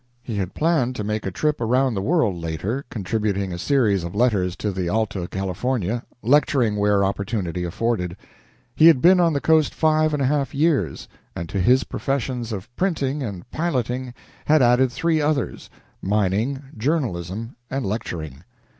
He had planned to make a trip around the world later, contributing a series of letters to the "Alta California," lecturing where opportunity afforded. He had been on the Coast five and a half years, and to his professions of printing and piloting had added three others mining, journalism, and lecturing.